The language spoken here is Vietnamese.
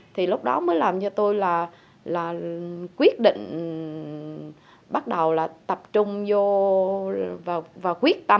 thì lúc đó mới làm cho tôi là quyết định bắt đầu là tập trung vô và quyết tâm